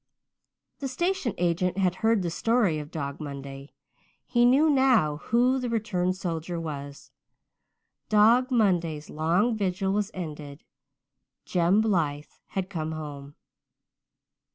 The station agent had heard the story of Dog Monday. He knew now who the returned soldier was. Dog Monday's long vigil was ended. Jem Blythe had come home.